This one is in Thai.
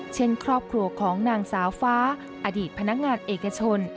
เช่นครอบครัวของนางสาวฟ้าอดีตพนักงานเอกชน